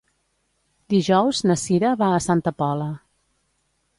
Dijous na Cira va a Santa Pola.